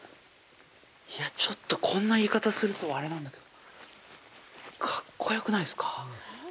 いや、ちょっとこんな言い方をするとあれなんだけど、格好よくないですか！？